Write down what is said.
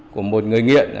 của một người nghiện